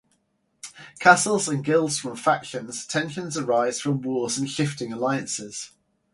Castles and Guilds form factions; tensions arise from wars and shifting alliances.